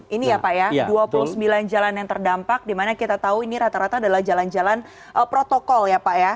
ini ya pak ya dua puluh sembilan jalan yang terdampak dimana kita tahu ini rata rata adalah jalan jalan protokol ya pak ya